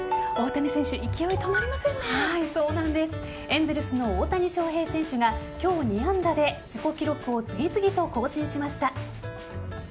エンゼルスの大谷翔平選手が今日、２安打で自己記録を次々と更新しました。